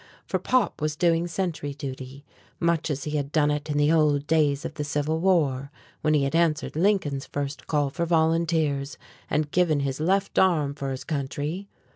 For Pop was doing sentry duty, much as he had done it in the old days of the Civil War, when he had answered Lincoln's first call for volunteers and given his left arm for his country.